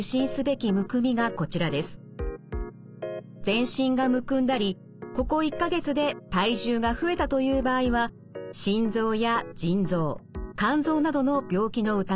全身がむくんだりここ１か月で体重が増えたという場合は心臓や腎臓肝臓などの病気の疑いがあります。